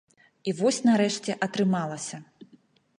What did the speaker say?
І вось, нарэшце, атрымалася.